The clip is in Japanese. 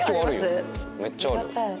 めっちゃあるよ。